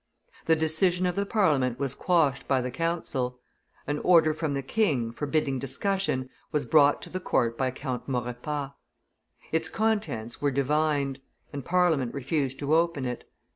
The decision of the Parliament was quashed by the council. An order from the king, forbidding discussion, was brought to the court by Count Maurepas; its contents were divined, and Parliament refused to open it.